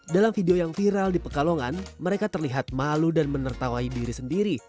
dalam video yang viral di pekalongan mereka terlihat malu dan menertawai diri sendiri